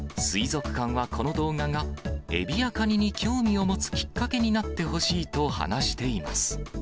水族館はこの動画が、エビやカニに興味を持つきっかけになってほしいと話しています。